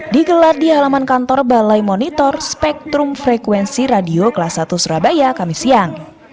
digelar di halaman kantor balai monitor spektrum frekuensi radio kelas satu surabaya kamis siang